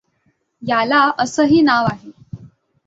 याला असंही नाव आहे.